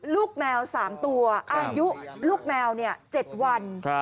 ลูกแมว๓ตัวอายุลูกแมว๗วัน